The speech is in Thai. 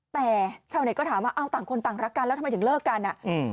แต่ชาวเน็ตก็ถามว่าเอาต่างคนต่างรักกันแล้วทำไมถึงเลิกกันอ่ะอืม